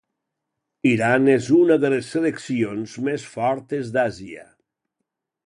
Iran és una de les seleccions més fortes d'Àsia.